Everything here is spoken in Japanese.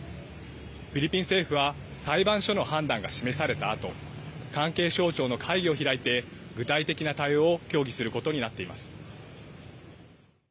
フィリピン政府は裁判所の判断が示されたあと、関係省庁の会議を開いて、具体的な対応を協議することになっています。